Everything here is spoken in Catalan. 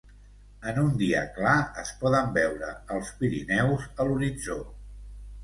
En un dia clar es poden veure els Pirineus a l’horitzó.